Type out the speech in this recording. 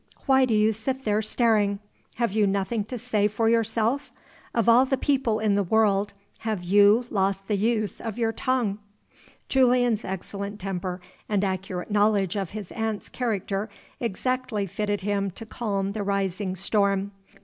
Why do you sit there staring? Have you nothing to say for yourself? Of all the people in the world, have you lost the use of your tongue?" Julian's excellent temper and accurate knowledge of his aunt's character exactly fitted him to calm the rising storm.